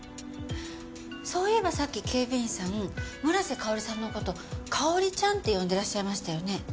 そういえばさっき警備員さん村瀬香織さんの事「香織ちゃん」って呼んでらっしゃいましたよね？